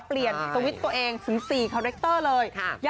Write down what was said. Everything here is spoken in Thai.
เปลี่ยนสวิตเตอร์ตัวเองถึง๔คาแรคเตอร์เลย